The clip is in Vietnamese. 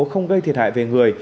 không gây thiệt hại về người